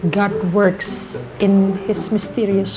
tuhan bekerja dengan cara misterius